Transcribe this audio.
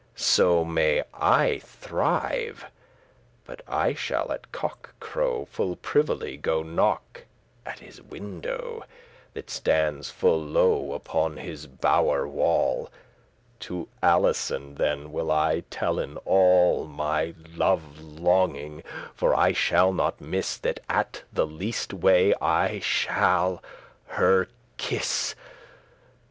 So may I thrive, but I shall at cock crow Full privily go knock at his window, That stands full low upon his bower* wall: *chamber To Alison then will I tellen all My love longing; for I shall not miss That at the leaste way I shall her kiss.